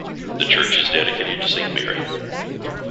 The church is dedicated to Saint Mary.